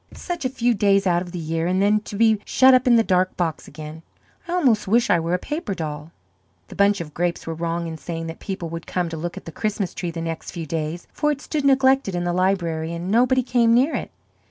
Such a few days out of the year and then to be shut up in the dark box again. I almost wish I were a paper doll." The bunch of grapes was wrong in saying that people would come to look at the Christmas tree the next few days, for it stood neglected in the library and nobody came near it.